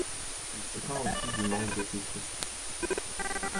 Il se plaint aussi du manque d'officiers.